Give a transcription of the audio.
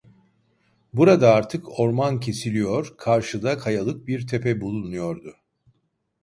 Burada artık orman kesiliyor, karşıda kayalık bir tepe bulunuyordu.